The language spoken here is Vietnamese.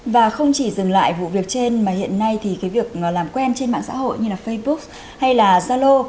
và không chỉ dừng lại vụ việc trên mà hiện nay thì cái việc làm quen trên mạng xã hội như là facebook hay là zalo